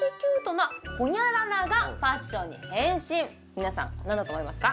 皆さん何だと思いますか？